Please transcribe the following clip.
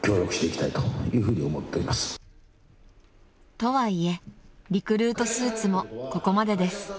［とはいえリクルートスーツもここまでです］